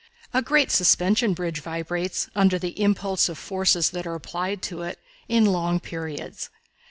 A great suspension bridge vibrates, under the impulse of forces that are applied to it, in long periods.